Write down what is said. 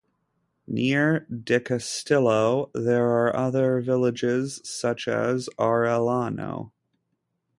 Near Dicastillo there are other villages such as Arellano.